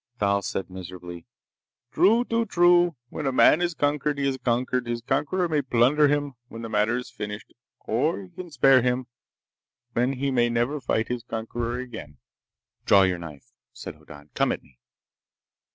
Thal said miserably: "True. Too true! When a man is conquered he is conquered. His conqueror may plunder him, when the matter is finished, or he can spare him, when he may never fight his conqueror again." "Draw your knife," said Hoddan. "Come at me."